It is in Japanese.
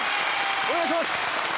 お願いします！